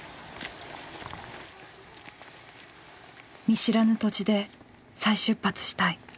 「見知らぬ土地で再出発したい」